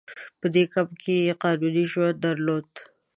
په دې کمپ کې یې قانوني ژوند درلود.